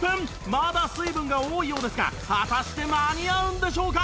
まだ水分が多いようですが果たして間に合うんでしょうか？